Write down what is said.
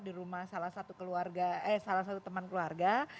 di rumah salah satu keluarga eh salah satu teman keluarga